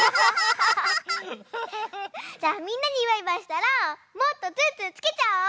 じゃあみんなにバイバイしたらもっとツンツンつけちゃおう！